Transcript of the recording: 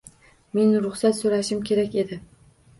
Men ruxsat soʻrashim kerak edi.